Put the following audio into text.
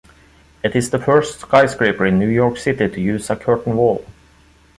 It is the first skyscraper in New York City to use a curtain wall.